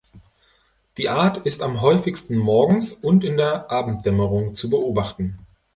Die Art ist am häufigsten morgens und in der Abenddämmerung zu beobachten.